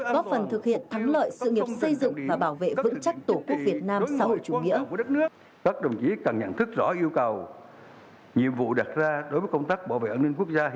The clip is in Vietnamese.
bóp phần thực hiện thắng lợi sự nghiệp xây dựng và bảo vệ